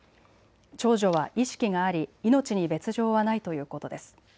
長女は意識があり命に別状はないということです。